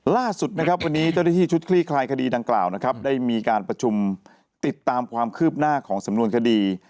ล่าสุดนะครับวันนี้เจ้าหน้าที่ชุดคลี่คลายคดีดังกล่าวนะครับได้มีการประชุมติดตามความคืบหน้าของสำนวนคดี